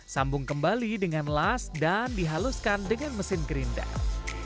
sambung kembali dengan las dan dihaluskan dengan mesin grinder